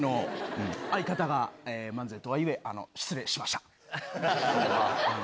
相方が漫才とはいえ、失礼しましまあ、うん。